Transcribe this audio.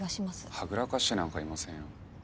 はぐらかしてなんかいませんよ。